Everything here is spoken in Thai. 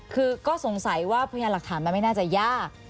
คือก็สงสัยว่าพยานหลักฐานมันไม่น่าจะยาก